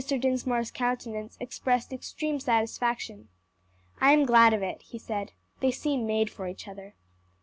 Dinsmore's countenance expressed extreme satisfaction. "I am glad of it," he said; "they seem made for each other."